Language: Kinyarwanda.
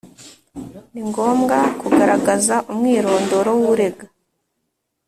Ni ngombwa kugaragaza umwirondoro w’urega